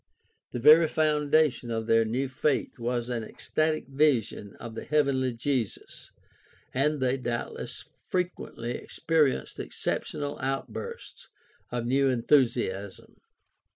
The very foundation of their new faith was an ecstatic vision of the heavenly Jesus, and they doubt less frequently experienced exceptional outbursts of new enthusiasm.